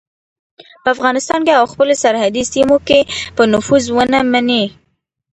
په افغانستان او خپلو سرحدي سیمو کې به نفوذ ونه مني.